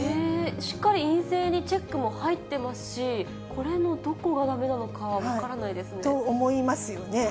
しっかり陰性にチェックも入ってますし、これのどこがだめなのか、分からないですね。と思いますよね。